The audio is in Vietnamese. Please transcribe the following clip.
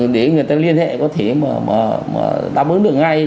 để người ta liên hệ có thể mà đáp ứng được ngay